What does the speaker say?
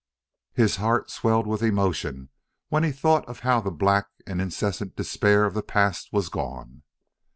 His heart swelled with emotion when he thought of how the black and incessant despair of the past was gone.